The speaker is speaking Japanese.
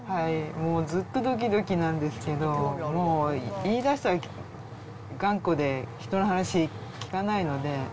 もうずっとどきどきなんですけど、もう言いだしたら頑固で、人の話聞かないので。